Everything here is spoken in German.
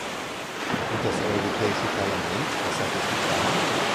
Und das Europäische Parlament, was hat es getan?